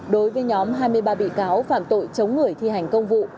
đối với nhóm hai mươi ba bị cáo phạm tội chống người thi hành công vụ